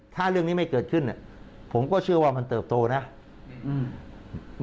ถ้าเรื่องนี้ไม่เกิดขึ้นเนี้ยผมก็เชื่อว่ามันเติบโตนะอืม